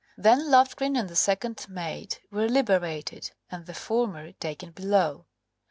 Then Loftgreen and the second mate were liberated, and the former taken below.